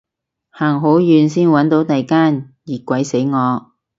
行好遠先搵到第間，熱鬼死我